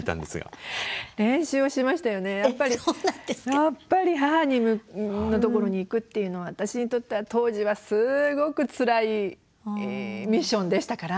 やっぱり母のところに行くっていうのは私にとっては当時はすごくつらいミッションでしたから。